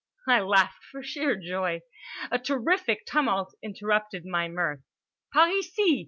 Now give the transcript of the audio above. I laughed for sheer joy. A terrific tumult interrupted my mirth. "_Par ici!